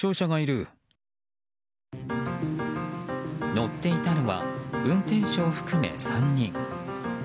乗っていたのは運転手を含め３人。